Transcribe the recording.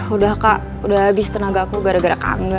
udah kak udah habis tenaga aku gara gara kangen